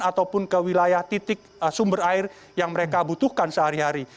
ataupun ke wilayah titik sumber air yang mereka butuhkan sehari hari